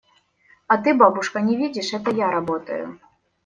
– А ты, бабушка, не видишь – это я работаю.